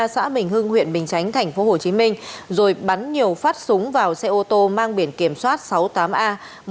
xã bình hưng huyện bình chánh tp hcm rồi bắn nhiều phát súng vào xe ô tô mang biển kiểm soát sáu mươi tám a một mươi chín nghìn tám mươi chín